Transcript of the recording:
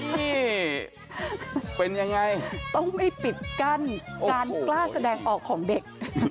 ที่เป็นยังไงต้องไม่ปิดกั้นการกล้าแสดงออกของเด็ก